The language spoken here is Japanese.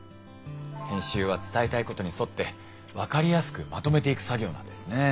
編集は伝えたいことに沿って分かりやすくまとめていく作業なんですね。